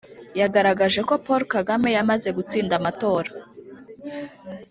yagaragaje ko Paul Kagame yamaze gutsinda amatora